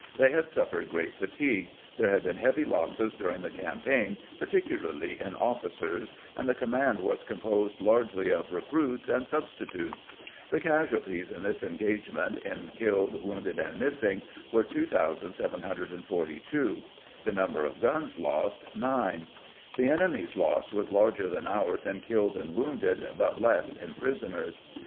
They had suffered great fatigue ; there had been heavy losses during the campaign, par ticularly in officers, and the command was composed largely of recruits and substitutes. The casualties in this engagement, in killed, wounded, and missing, were 2742; the number of guns lost, 9. The enemy's loss was larger than ours in killed and wounded, but less in prisoners.